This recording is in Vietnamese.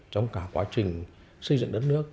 trong cả quá trình xây dựng đất nước